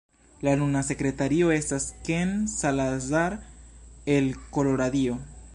La nuna sekretario estas Ken Salazar el Koloradio.